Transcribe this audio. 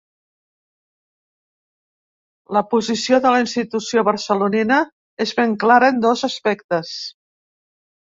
La posició de la institució barcelonina és ben clara en dos aspectes.